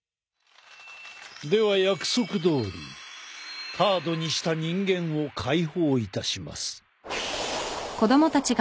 では約束どおりカードにした人間を解放いたします。